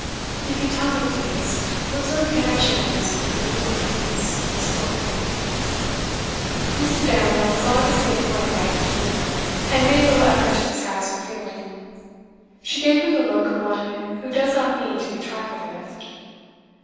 'You can tell me, please, what sort of connection there is between you and my niece, Miss. Lord.' Mrs. Damerel was obviously annoyed by his demeanour, and made little effort to disguise her feeling. She gave him the look of one who does not mean to be trifled with.